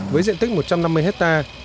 với diện tích một trăm năm mươi ha